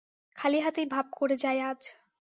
খালি হাতেই ভাব করে যাই আজ।